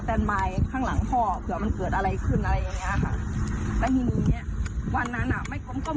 แต่อันนี้คือเค้าต่างพอกเลยว่าเกี่ยวมาเอาปลาพูเลี้ยงมาอะไรประมาณเนี่ย